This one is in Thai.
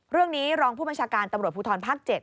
เรื่องนี้รองผู้บัญชาการตำรวจภูทรภาค๗